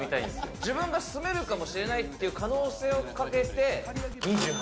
自分が住めるかもしれないっていう可能性をかけて、２８。